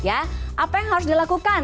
apa yang harus dilakukan